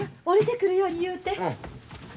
下りてくるように言うて。